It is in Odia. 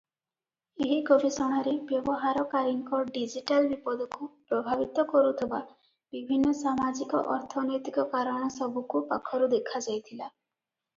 ଏହି ଗବେଷଣାରେ ବ୍ୟବହାରକାରୀଙ୍କ ଡିଜିଟାଲ ବିପଦକୁ ପ୍ରଭାବିତ କରୁଥିବା ବିଭିନ୍ନ ସାମାଜିକ-ଅର୍ଥନୈତିକ କାରଣସବୁକୁ ପାଖରୁ ଦେଖାଯାଇଥିଲା ।